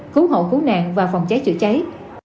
cứu hộ khu nạn và phòng cháy chữa cháy